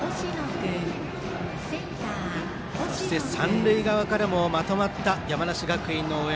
そして三塁側からもまとまった山梨学院の応援。